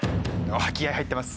気合入ってます。